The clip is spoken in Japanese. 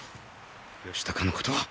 義高のことは。